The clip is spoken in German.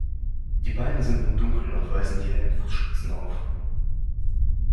Die Beine sind nun dunkel und weisen die hellen Fußspitzen auf.